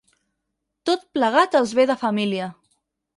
Tot plegat els ve de família.